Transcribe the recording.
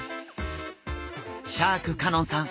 シャーク香音さん